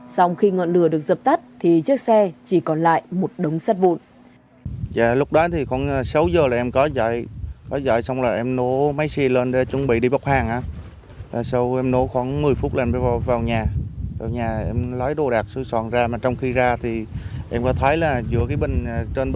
sau khi ngọn lửa được dập tắt thì chiếc xe chỉ còn lại một đống sắt vụn